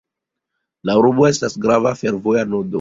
La urbo estas grava fervoja nodo.